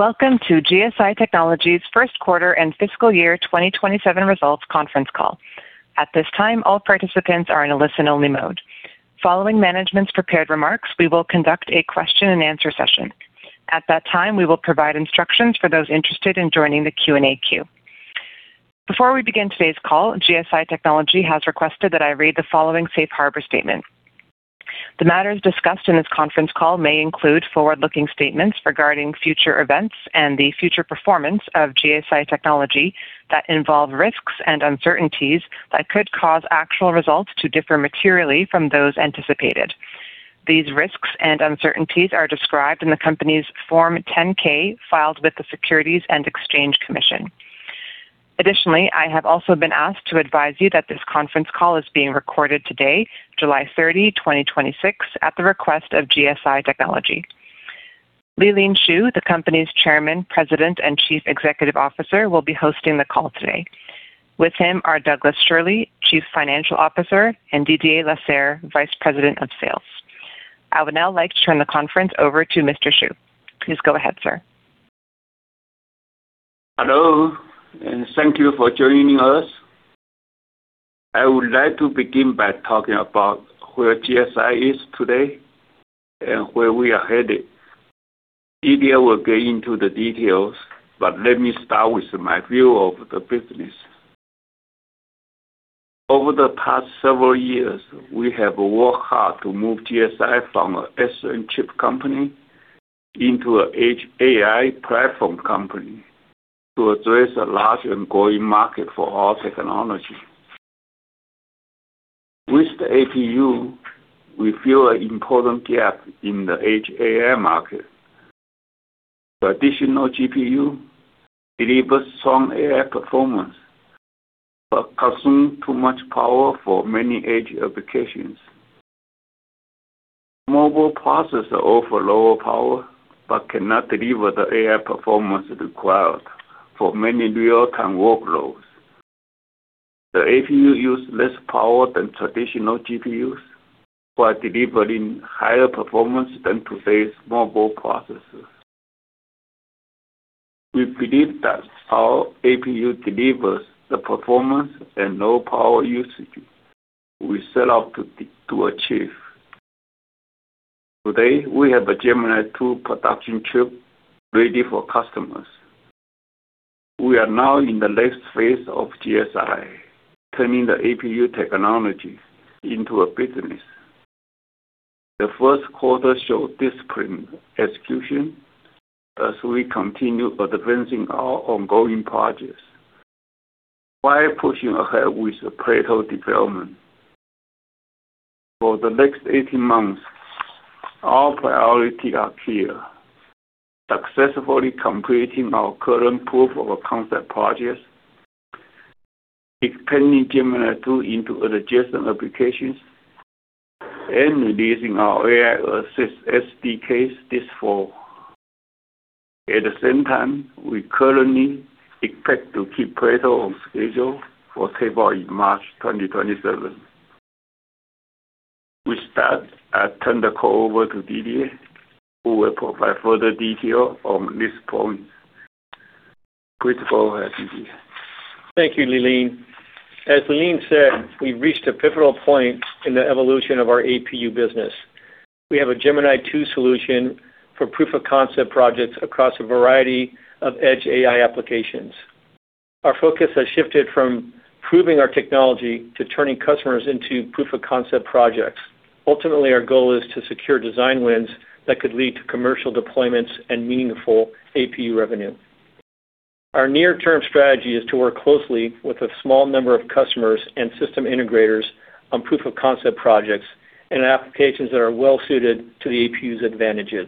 Welcome to GSI Technology's first quarter and fiscal year 2027 results conference call. At this time, all participants are in a listen-only mode. Following management's prepared remarks, we will conduct a question and answer session. At that time, we will provide instructions for those interested in joining the Q&A queue. Before we begin today's call, GSI Technology has requested that I read the following safe harbor statement. The matters discussed in this conference call may include forward-looking statements regarding future events and the future performance of GSI Technology that involve risks and uncertainties that could cause actual results to differ materially from those anticipated. These risks and uncertainties are described in the company's Form 10-K filed with the Securities and Exchange Commission. Additionally, I have also been asked to advise you that this conference call is being recorded today, July 30, 2026, at the request of GSI Technology. Lee-Lean Shu, the company's chairman, president, and chief executive officer, will be hosting the call today. With him are Douglas Schirle, chief financial officer, and Didier Lasserre, vice president of sales. I would now like to turn the conference over to Mr. Shu. Please go ahead, sir. Hello. Thank you for joining us. I would like to begin by talking about where GSI is today and where we are headed. Didier will get into the details, but let me start with my view of the business. Over the past several years, we have worked hard to move GSI from an SoC chip company into an edge AI platform company to address a large and growing market for our technology. With the APU, we fill an important gap in the edge AI market. Traditional GPU delivers strong AI performance, but consume too much power for many edge applications. Mobile processors offer lower power but cannot deliver the AI performance required for many real-time workloads. The APU use less power than traditional GPUs while delivering higher performance than today's mobile processors. We believe that our APU delivers the performance and low power usage we set out to achieve. Today, we have a Gemini-II production chip ready for customers. We are now in the next phase of GSI, turning the APU technology into a business. The first quarter showed disciplined execution as we continue advancing our ongoing projects while pushing ahead with the Plato development. For the next 18 months, our priority are clear. Successfully completing our current proof-of-concept projects, expanding Gemini-II into adjacent applications, and releasing our AI-assisted SDKs this fall. At the same time, we currently expect to keep Plato on schedule for tape-out in March 2027. With that, I turn the call over to Didier, who will provide further detail on this point. Please go ahead, Didier. Thank you, Lee-Lean. As Lee-Lean said, we've reached a pivotal point in the evolution of our APU business. We have a Gemini-II solution for proof-of-concept projects across a variety of edge AI applications. Our focus has shifted from proving our technology to turning customers into proof-of-concept projects. Ultimately, our goal is to secure design wins that could lead to commercial deployments and meaningful APU revenue. Our near-term strategy is to work closely with a small number of customers and system integrators on proof-of-concept projects and applications that are well-suited to the APU's advantages.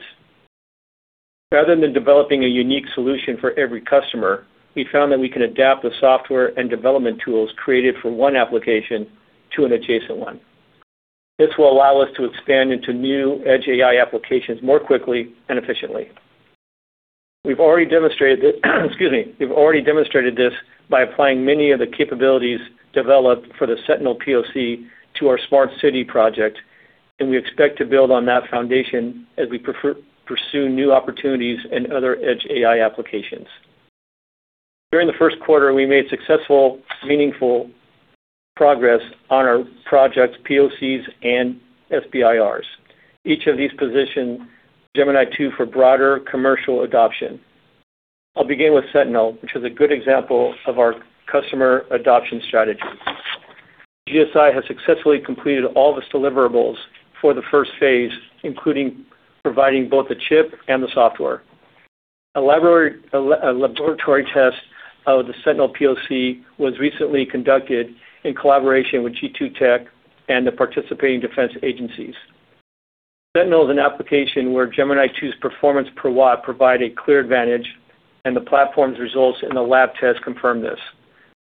Rather than developing a unique solution for every customer, we found that we can adapt the software and development tools created for one application to an adjacent one. This will allow us to expand into new edge AI applications more quickly and efficiently. We've already demonstrated this, excuse me. We've already demonstrated this by applying many of the capabilities developed for the Sentinel POC to our Smart City project, and we expect to build on that foundation as we pursue new opportunities in other edge AI applications. During the first quarter, we made successful, meaningful progress on our projects, POCs, and SBIRs. Each of these position Gemini-II for broader commercial adoption. I'll begin with Sentinel, which is a good example of our customer adoption strategy. GSI has successfully completed all of its deliverables for the first phase, including providing both the chip and the software. A laboratory test of the Sentinel POC was recently conducted in collaboration with G2 Tech and the participating defense agencies. Sentinel is an application where Gemini-II's performance per watt provide a clear advantage, and the platform's results in the lab test confirm this.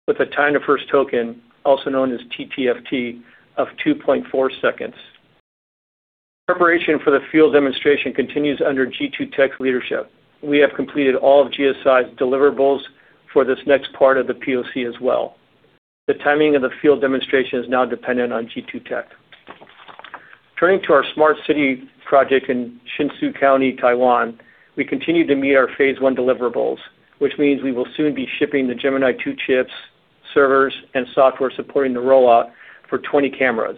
With a time to first token, also known as TTFT, of 2.4 seconds. Preparation for the field demonstration continues under G2 Tech's leadership. We have completed all of GSI's deliverables for this next part of the POC as well. The timing of the field demonstration is now dependent on G2 Tech. Turning to our Smart City project in Hsinchu County, Taiwan, we continue to meet our phase 1 deliverables, which means we will soon be shipping the Gemini-II chips, servers, and software supporting the rollout for 20 cameras.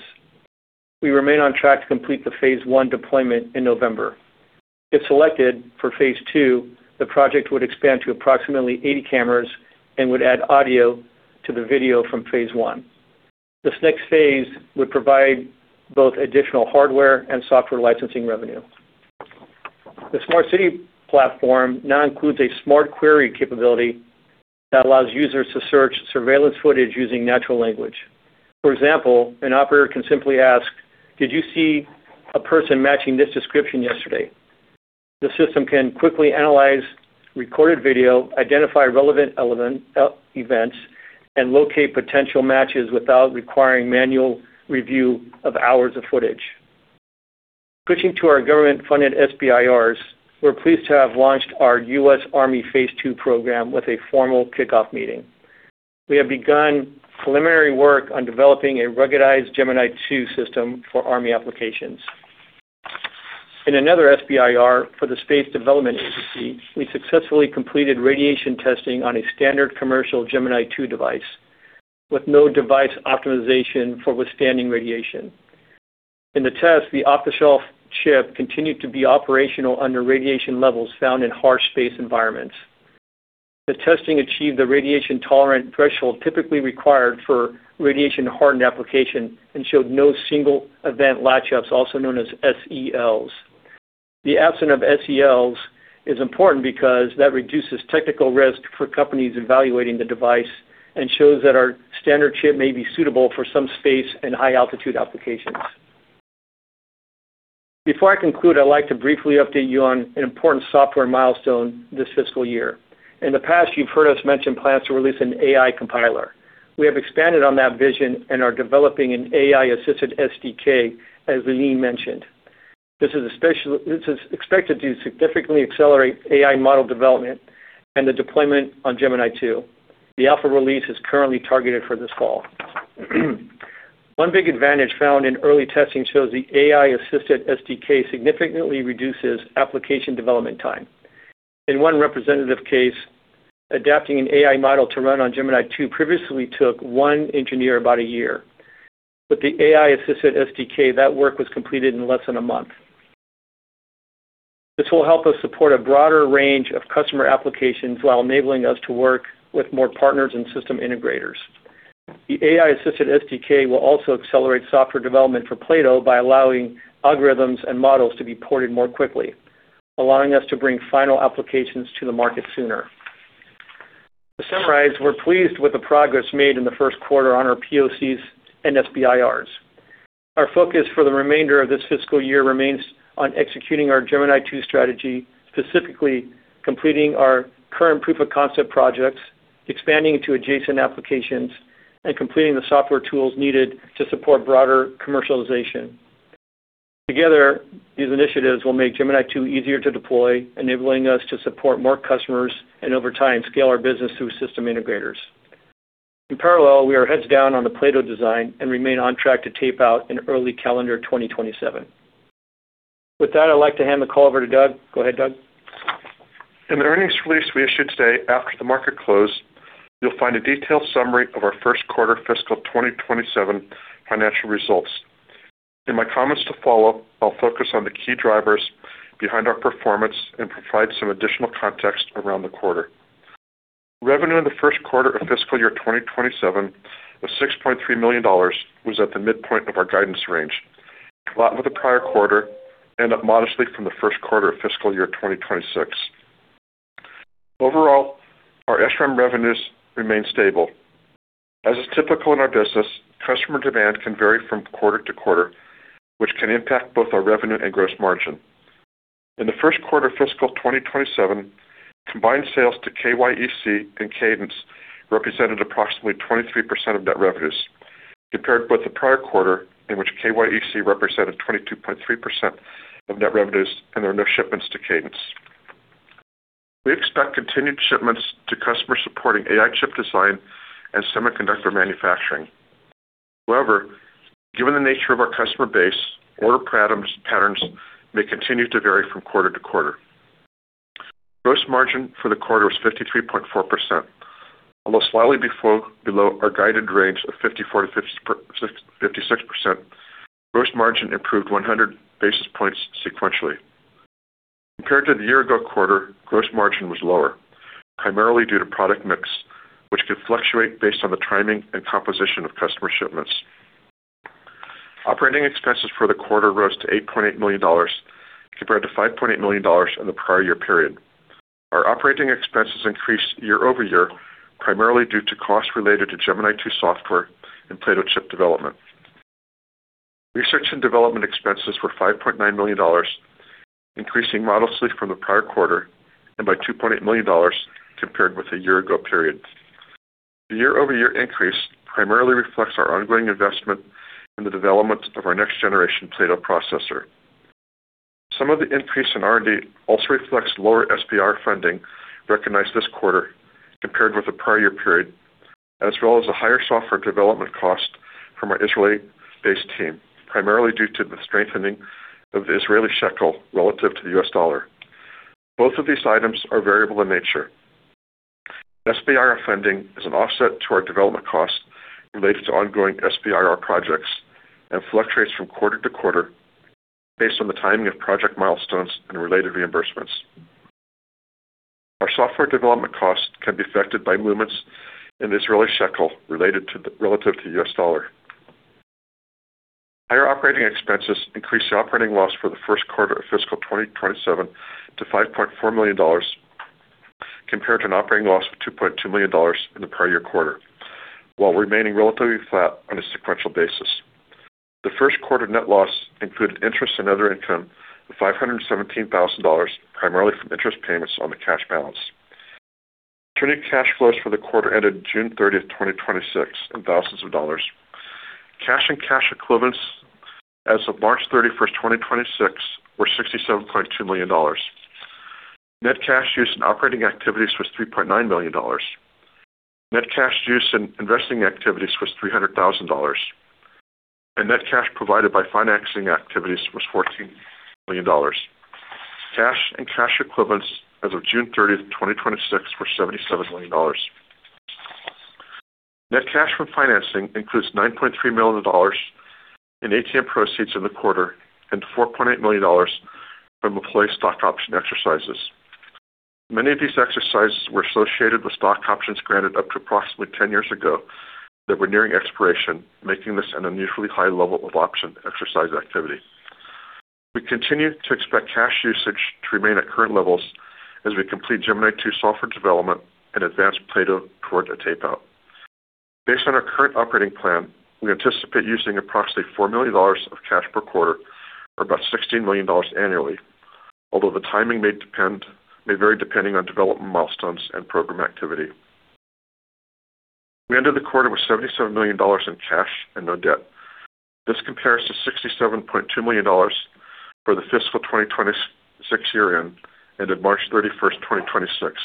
We remain on track to complete the phase 1 deployment in November. If selected for phase 2, the project would expand to approximately 80 cameras and would add audio to the video from phase 1. This next phase would provide both additional hardware and software licensing revenue. The Smart City platform now includes a smart query capability that allows users to search surveillance footage using natural language. For example, an operator can simply ask, "Did you see a person matching this description yesterday?" The system can quickly analyze recorded video, identify relevant events, and locate potential matches without requiring manual review of hours of footage. Switching to our government-funded SBIRs, we're pleased to have launched our U.S. Army phase 2 program with a formal kickoff meeting. We have begun preliminary work on developing a ruggedized Gemini-II system for Army applications. In another SBIR for the Space Development Agency, we successfully completed radiation testing on a standard commercial Gemini-II device with no device optimization for withstanding radiation. In the test, the off-the-shelf chip continued to be operational under radiation levels found in harsh space environments. The testing achieved the radiation tolerant threshold typically required for radiation-hardened application and showed no single event latch-ups, also known as SELs. The absence of SELs is important because that reduces technical risk for companies evaluating the device and shows that our standard chip may be suitable for some space and high-altitude applications. Before I conclude, I'd like to briefly update you on an important software milestone this fiscal year. In the past, you've heard us mention plans to release an AI compiler. We have expanded on that vision and are developing an AI-assisted SDK, as Lee-Lean mentioned. This is expected to significantly accelerate AI model development and the deployment on Gemini-II. The alpha release is currently targeted for this fall. One big advantage found in early testing shows the AI-assisted SDK significantly reduces application development time. In one representative case, adapting an AI model to run on Gemini-II previously took one engineer about a year. With the AI-assisted SDK, that work was completed in less than a month. This will help us support a broader range of customer applications while enabling us to work with more partners and system integrators. The AI-assisted SDK will also accelerate software development for Plato by allowing algorithms and models to be ported more quickly, allowing us to bring final applications to the market sooner. To summarize, we're pleased with the progress made in the first quarter on our POCs and SBIRs. Our focus for the remainder of this fiscal year remains on executing our Gemini-II strategy, specifically completing our current proof of concept projects, expanding into adjacent applications, and completing the software tools needed to support broader commercialization. Together, these initiatives will make Gemini-II easier to deploy, enabling us to support more customers and over time, scale our business through system integrators. In parallel, we are heads down on the Plato design and remain on track to tape-out in early calendar 2027. With that, I'd like to hand the call over to Doug. Go ahead, Doug. In the earnings release we issued today after the market close, you'll find a detailed summary of our first quarter fiscal 2027 financial results. In my comments to follow, I'll focus on the key drivers behind our performance and provide some additional context around the quarter. Revenue in the first quarter of fiscal year 2027 of $6.3 million was at the midpoint of our guidance range, in line with the prior quarter, and up modestly from the first quarter of fiscal year 2026. Overall, our SRAM revenues remain stable. As is typical in our business, customer demand can vary from quarter to quarter, which can impact both our revenue and gross margin. In the first quarter of fiscal 2027, combined sales to KYEC and Cadence represented approximately 23% of net revenues, compared with the prior quarter, in which KYEC represented 22.3% of net revenues and there were no shipments to Cadence. We expect continued shipments to customers supporting AI chip design and semiconductor manufacturing. However, given the nature of our customer base, order patterns may continue to vary from quarter to quarter. Gross margin for the quarter was 53.4%, almost slightly below our guided range of 54%-56%, gross margin improved 100 basis points sequentially. Compared to the year ago quarter, gross margin was lower, primarily due to product mix, which could fluctuate based on the timing and composition of customer shipments. Operating expenses for the quarter rose to $8.8 million compared to $5.8 million in the prior year period. Our operating expenses increased year-over-year, primarily due to costs related to Gemini-II software and Plato chip development. Research and development expenses were $5.9 million, increasing modestly from the prior quarter, and by $2.8 million compared with the year ago period. The year-over-year increase primarily reflects our ongoing investment in the development of our next generation Plato processor. Some of the increase in R&D also reflects lower SBIR funding recognized this quarter compared with the prior year period, as well as a higher software development cost from our Israeli-based team, primarily due to the strengthening of the Israeli shekel relative to the U.S. dollar. Both of these items are variable in nature. SBIR funding is an offset to our development cost related to ongoing SBIR projects and fluctuates from quarter to quarter based on the timing of project milestones and related reimbursements. Our software development cost can be affected by movements in the Israeli shekel relative to the U.S. dollar. Higher operating expenses increased the operating loss for the first quarter of fiscal 2027 to $5.4 million, compared to an operating loss of $2.2 million in the prior year quarter, while remaining relatively flat on a sequential basis. The first quarter net loss included interest in other income of $517,000, primarily from interest payments on the cash balance. Turning to cash flows for the quarter ended June 30th, 2026, in thousands of dollars. Cash and cash equivalents as of March 31st, 2026, were $67.2 million. Net cash used in operating activities was $3.9 million. Net cash used in investing activities was $300,000, and net cash provided by financing activities was $14 million. Cash and cash equivalents as of June 30th, 2026, were $77 million. Net cash from financing includes $9.3 million in ATM proceeds in the quarter and $4.8 million from employee stock option exercises. Many of these exercises were associated with stock options granted up to approximately 10 years ago that were nearing expiration, making this an unusually high level of option exercise activity. We continue to expect cash usage to remain at current levels as we complete Gemini-II software development and advance Plato toward a tape-out. Based on our current operating plan, we anticipate using approximately $4 million of cash per quarter or about $16 million annually, although the timing may vary depending on development milestones and program activity. We ended the quarter with $77 million in cash and no debt. This compares to $67.2 million for the fiscal 2026 year-end ended March 31st, 2026.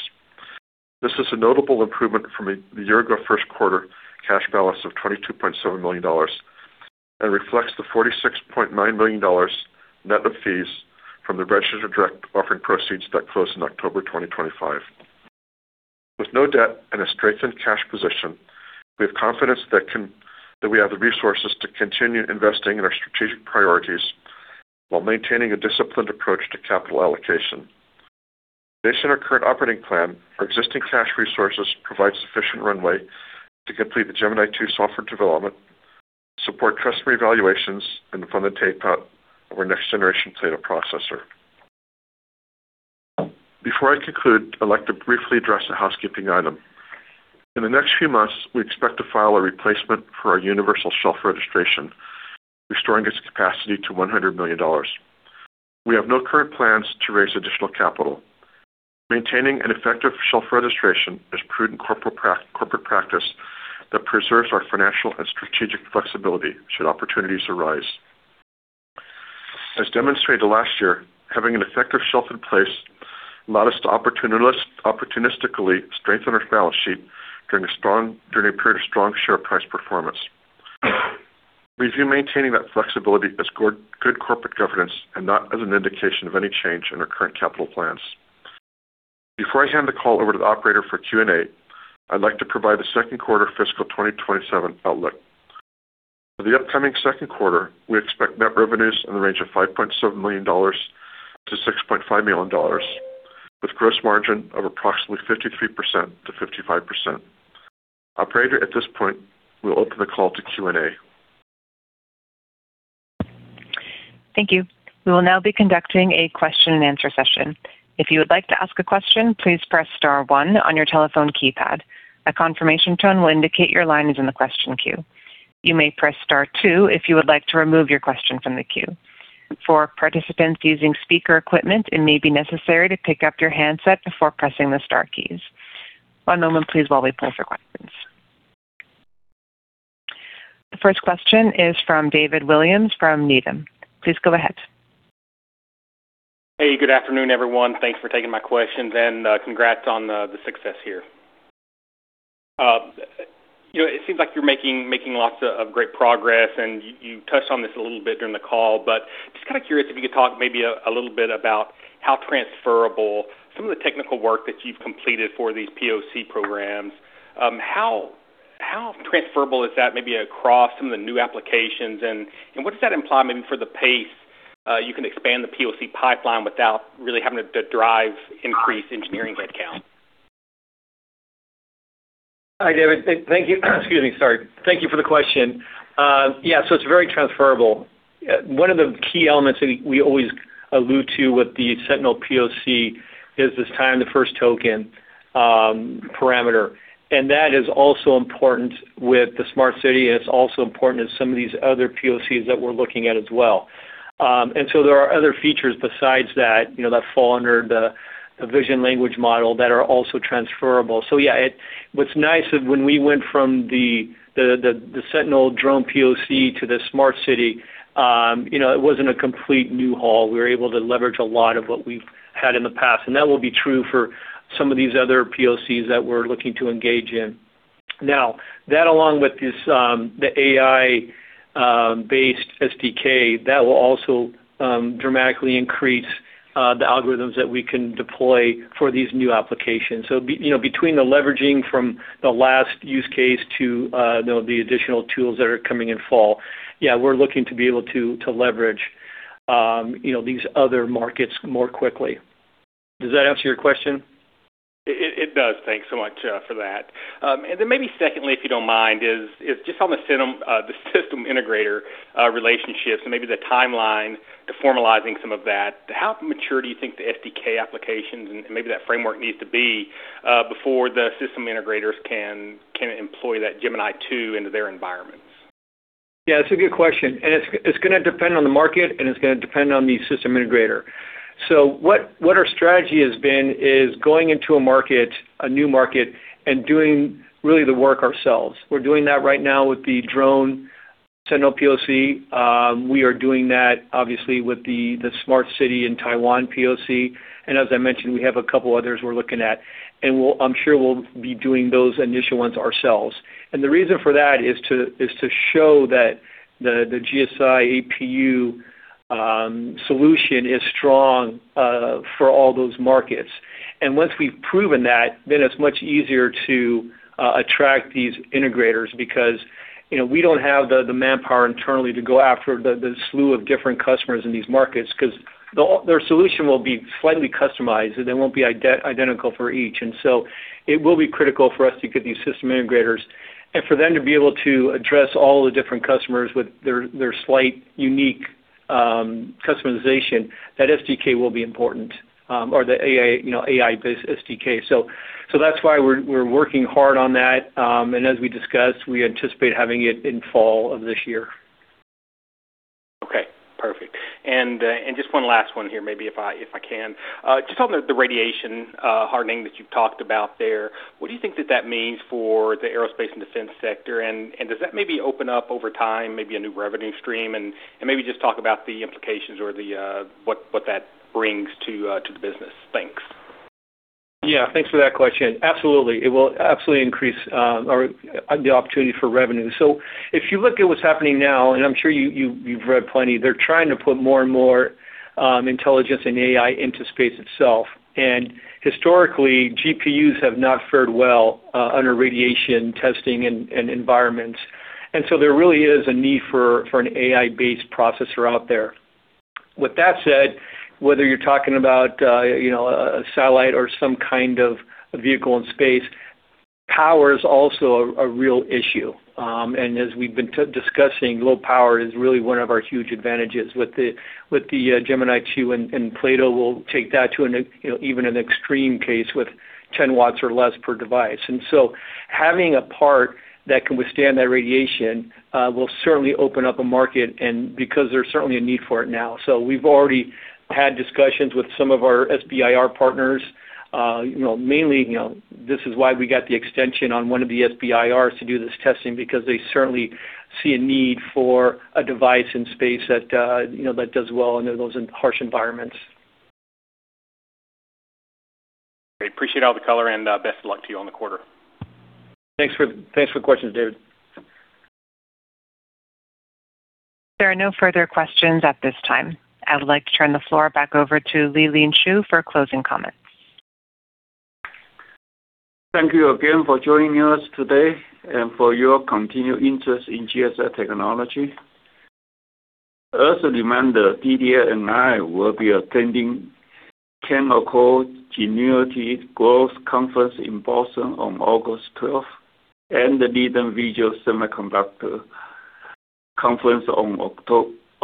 This is a notable improvement from the year-ago first quarter cash balance of $22.7 million and reflects the $46.9 million net of fees from the registered direct offering proceeds that closed in October 2025. With no debt and a strengthened cash position, we have confidence that we have the resources to continue investing in our strategic priorities while maintaining a disciplined approach to capital allocation. Based on our current operating plan, our existing cash resources provide sufficient runway to complete the Gemini-II software development, support customer evaluations, and fund the tape-out of our next-generation Plato processor. Before I conclude, I'd like to briefly address a housekeeping item. In the next few months, we expect to file a replacement for our universal shelf registration, restoring its capacity to $100 million. We have no current plans to raise additional capital. Maintaining an effective shelf registration is prudent corporate practice that preserves our financial and strategic flexibility should opportunities arise. As demonstrated last year, having an effective shelf in place allowed us to opportunistically strengthen our balance sheet during a period of strong share price performance. We view maintaining that flexibility as good corporate governance and not as an indication of any change in our current capital plans. Before I hand the call over to the operator for Q&A, I'd like to provide the second quarter fiscal 2027 outlook. For the upcoming second quarter, we expect net revenues in the range of $5.7 million-$6.5 million, with gross margin of approximately 53%-55%. Operator, at this point, we'll open the call to Q&A. Thank you. We will now be conducting a question-and-answer session. If you would like to ask a question, please press star one on your telephone keypad. A confirmation tone will indicate your line is in the question queue. You may press star two if you would like to remove your question from the queue. For participants using speaker equipment, it may be necessary to pick up your handset before pressing the star keys. One moment, please, while we pull for questions. The first question is from David Williams from Needham. Please go ahead. Hey, good afternoon, everyone. Thanks for taking my questions and congrats on the success here. It seems like you're making lots of great progress. You touched on this a little bit during the call, but just kind of curious if you could talk maybe a little bit about how transferable some of the technical work that you've completed for these POC programs. How transferable is that maybe across some of the new applications, what does that imply maybe for the pace you can expand the POC pipeline without really having to drive increased engineering headcount? Hi, David. Thank you. Excuse me, sorry. Thank you for the question. It's very transferable. One of the key elements that we always allude to with the Sentinel POC is this time to first token parameter. That is also important with the Smart City, and it's also important in some of these other POCs that we're looking at as well. There are other features besides that fall under the A vision language model that are also transferable. What's nice of when we went from the Sentinel drone POC to the Smart City, it wasn't a complete new haul. We were able to leverage a lot of what we've had in the past. That will be true for some of these other POCs that we're looking to engage in. Now, that along with the AI-assisted SDK, that will also dramatically increase the algorithms that we can deploy for these new applications. Between the leveraging from the last use case to the additional tools that are coming in fall, we're looking to be able to leverage these other markets more quickly. Does that answer your question? It does. Thanks so much for that. Maybe secondly, if you don't mind, is just on the system integrator relationships and maybe the timeline to formalizing some of that, how mature do you think the SDK applications and maybe that framework needs to be before the system integrators can employ that Gemini-II into their environments? It's a good question. It's going to depend on the market, and it's going to depend on the system integrator. What our strategy has been is going into a new market and doing really the work ourselves. We're doing that right now with the drone Sentinel POC. We are doing that obviously with the Smart City in Taiwan POC. As I mentioned, we have a couple others we're looking at. I'm sure we'll be doing those initial ones ourselves. The reason for that is to show that the GSI APU solution is strong for all those markets. Once we've proven that, it's much easier to attract these integrators because we don't have the manpower internally to go after the slew of different customers in these markets because their solution will be slightly customized, and they won't be identical for each. It will be critical for us to get these system integrators and for them to be able to address all the different customers with their slight unique customization, that SDK will be important, or the AI-based SDK. That's why we're working hard on that. As we discussed, we anticipate having it in fall of this year. Okay, perfect. Just one last one here, maybe if I can. Just on the radiation hardening that you've talked about there, what do you think that that means for the aerospace and defense sector? Does that maybe open up over time, maybe a new revenue stream? Maybe just talk about the implications or what that brings to the business. Thanks. Thanks for that question. Absolutely. It will absolutely increase the opportunity for revenue. If you look at what's happening now, I'm sure you've read plenty, they're trying to put more and more intelligence and AI into space itself. Historically, GPUs have not fared well under radiation testing and environments. There really is a need for an AI-based processor out there. With that said, whether you're talking about a satellite or some kind of vehicle in space, power is also a real issue. As we've been discussing, low power is really one of our huge advantages with the Gemini-II and Plato will take that to even an extreme case with 10 watts or less per device. Having a part that can withstand that radiation will certainly open up a market because there's certainly a need for it now. We've already had discussions with some of our SBIR partners. Mainly, this is why we got the extension on one of the SBIRs to do this testing because they certainly see a need for a device in space that does well under those harsh environments. Great. Appreciate all the color and best of luck to you on the quarter. Thanks for the question, David. There are no further questions at this time. I would like to turn the floor back over to Lee-Lean Shu for closing comments. Thank you again for joining us today and for your continued interest in GSI Technology. As a reminder, Didier and I will be attending Canaccord Genuity Growth Conference in Boston on August 12th and the Needham Virtual Semiconductor Conference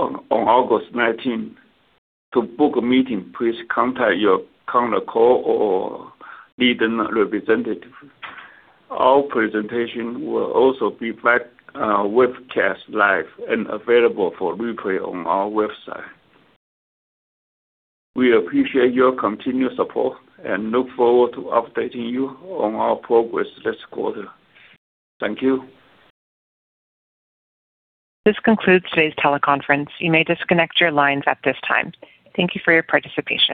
on August 19th. To book a meeting, please contact your Canaccord or Needham representative. Our presentation will also be webcast live and available for replay on our website. We appreciate your continued support and look forward to updating you on our progress this quarter. Thank you. This concludes today's teleconference. You may disconnect your lines at this time. Thank you for your participation.